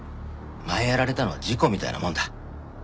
前やられたのは事故みたいなもんだ。